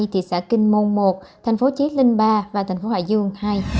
thị xã kinh môn một thành phố chí linh ba và thành phố hải dương